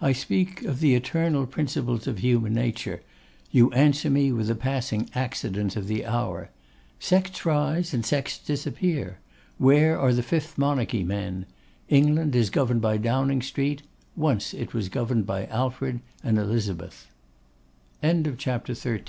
'I speak of the eternal principles of human nature, you answer me with the passing accidents of the hour. Sects rise and sects disappear. Where are the Fifth Monarchy men? England is governed by Downing Street; once it was governed by Alfred and Elizabeth.' CHAPTER XIV.